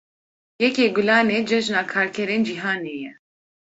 Yekê Gulanê Cejina Karkerên Cîhanê ye.